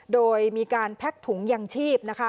โดยมีการแพ็กถุงยังชีพนะคะ